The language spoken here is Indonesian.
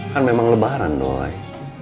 kan memang lebaran doi